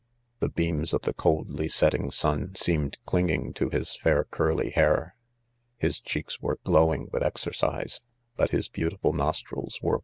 c The beams, of the coldly setting sun seem ed clinging.; to . his fair curly hair, j.biis cheeks were glowing with exercise ^jbut his s beautiful nostrils were.